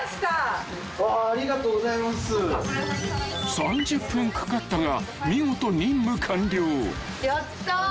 ［３０分かかったが見事任務完了］やった！